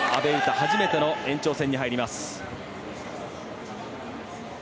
初めての延長戦に入ります。